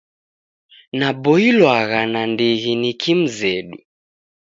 Naboilwagha nandighi ni kimzedu.